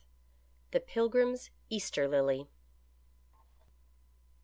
THE PILGRIMS' EASTER LILY.